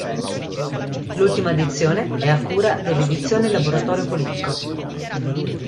L'ultima edizione è a cura delle edizioni Laboratorio Politico.